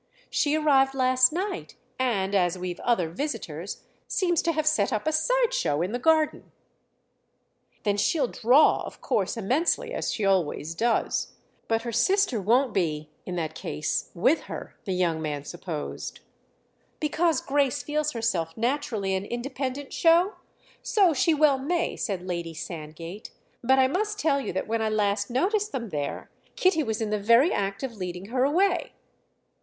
"She arrived last night and—as we've other visitors—seems to have set up a side show in the garden." "Then she'll 'draw' of course immensely, as she always does. But her sister won't be in that case with her," the young man supposed. "Because Grace feels herself naturally an independent show? So she well may," said Lady Sandgate, "but I must tell you that when I last noticed them there Kitty was in the very act of leading her away."